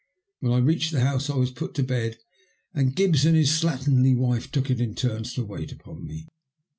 When I reached the house I was put to bed, and Gibbs and his slatternly wife took it in turns to wait upon me.